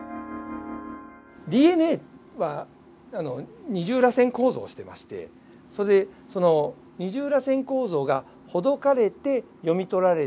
ＤＮＡは二重らせん構造をしてましてその二重らせん構造がほどかれて読み取られて。